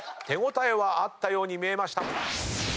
手応えはあったように見えた。